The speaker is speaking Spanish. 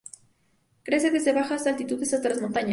Crece desde baja altitudes hasta las montañas.